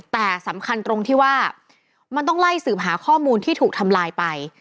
แต่สำคัญตรงที่ว่ามันต้องไล่สืบหาข้อมูลที่ถูกทำลายไป